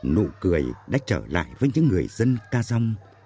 nụ cười đã trở lại với những người dân ca rong